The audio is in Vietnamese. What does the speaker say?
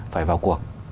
phải vào cuộc